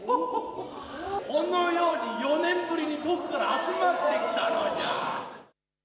このように４年ぶりに遠くから集まってきたのじゃ。